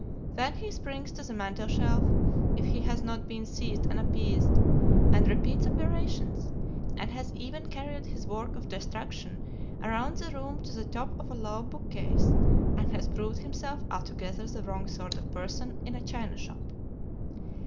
Then he springs to the mantel shelf if he has not been seized and appeased, and repeats operations, and has even carried his work of destruction around the room to the top of a low bookcase and has proved himself altogether the wrong sort of person in a china shop.